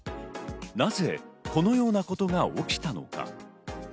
なぜこのようなことが起きたのか？